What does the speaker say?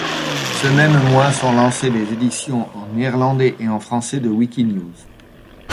Ce même mois sont lancées les éditions en néerlandais et en français de Wikinews.